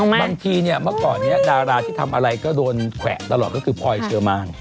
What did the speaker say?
บางทีเนี่ยเมื่อก่อนนี้ดาราที่ทำอะไรก็โดนแขวะตลอดก็คือพลอยเชอร์มาน